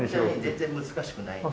全然難しくないんで。